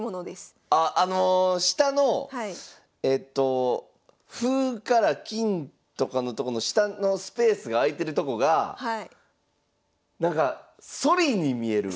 あっあの下のえっと歩から金とかのとこの下のスペースが空いてるとこがなんかソリに見える。